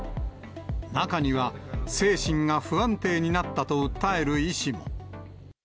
中には精神が不安定になったと訴える医師も。